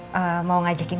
nanti aku langsung kabarin ya